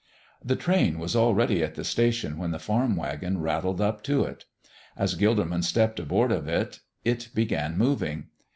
The train was already at the station when the farm wagon rattled up to it. As Gilderman stepped aboard of it, it began moving.